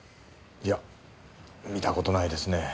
いや見た事ないですね。